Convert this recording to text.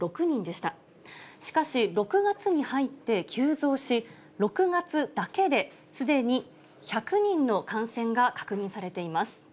しかし、６月に入って急増し、６月だけで、すでに１００人の感染が確認されています。